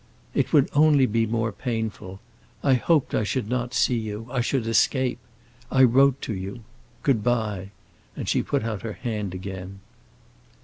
"It would be only more painful. I hoped I should not see you—I should escape. I wrote to you. Good bye." And she put out her hand again.